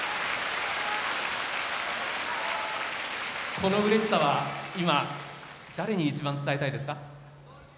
このうれしさは、今誰にいちばん伝えたいですか。